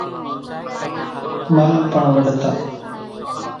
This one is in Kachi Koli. مل پڻ وڍتا۔